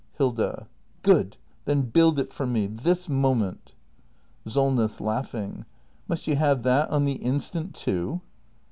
Hilda. Good ! Then build it for me ! This moment ! SOLNESS. Must you have that on the instant, too